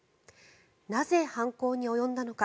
なぜ、犯行に及んだのか。